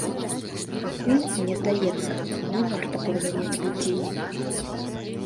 Пакуль, мне здаецца, не варта падганяць падзеі.